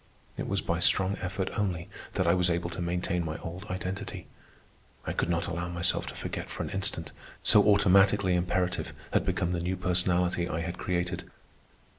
It was by strong effort only that I was able to maintain my old identity; I could not allow myself to forget for an instant, so automatically imperative had become the new personality I had created.